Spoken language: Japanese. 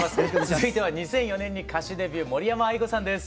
続いては２００４年に歌手デビュー森山愛子さんです。